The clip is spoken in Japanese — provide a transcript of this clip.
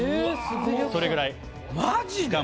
それぐらい。